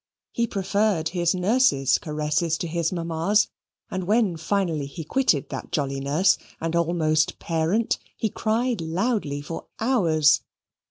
He preferred his nurse's caresses to his mamma's, and when finally he quitted that jolly nurse and almost parent, he cried loudly for hours.